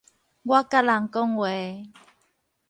我佮人講話